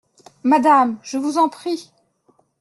Madame !… je vous en prie !…